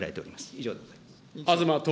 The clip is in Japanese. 以上でございます。